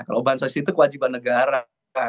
kalau bansos itu kewajiban negara